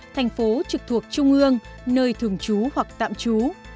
thành phố trực thuộc trung ương nơi thường trú hoặc tạm trú